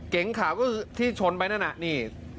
เก๋งขาวก็คือที่เฉินไว้นั่นนั้นนะ